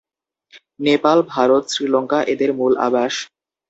নেপাল, ভারত, শ্রীলঙ্কা এদের মূল আবাস।